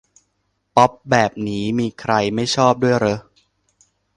ป๊อปแบบนี้มีใครไม่ชอบด้วยเรอะ